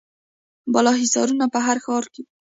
بالاحصارونه په هر ښار کې وو